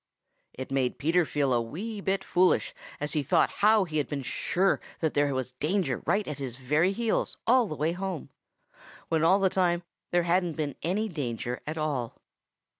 It made Peter feel a wee bit foolish as he thought how he had been sure that there was danger right at his very heels all the way home, when all the time there hadn't been any danger at all.